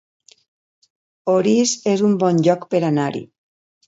Orís es un bon lloc per anar-hi